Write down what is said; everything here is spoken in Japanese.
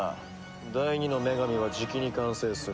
第２の女神はじきに完成する。